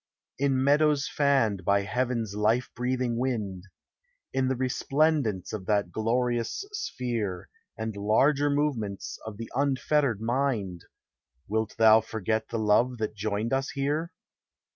In meadows fanned by heaven's life breathing wind. In the resplendence of that glorious sphere, And larger movements of the unfettered mind, Wilt thou forget the love that joined us here?